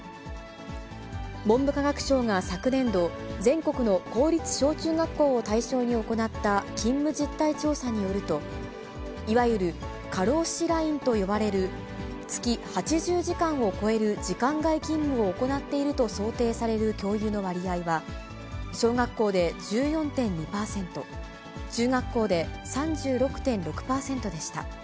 文部科学省が昨年度、全国の公立小中学校を対象に行った勤務実態調査によると、いわゆる過労死ラインと呼ばれる、月８０時間を超える時間外勤務を行っていると想定される教諭の割合は、小学校で１４．２％、中学校で３６．６％でした。